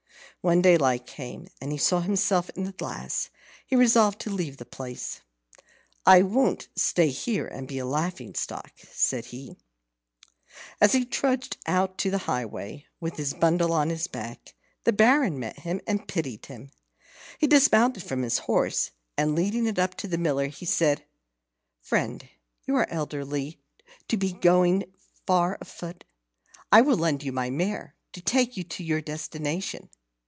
When daylight came, and he saw himself in the glass, he resolved to leave the place. "I won't stay here to be a laughing stock," said he. As he trudged out on to the highway, with his bundle on his back, the Baron met him and pitied him. He dismounted from his horse, and leading it up to the Miller, he said: "Friend, you are elderly to be going far afoot. I will lend you my mare to take you to your destination.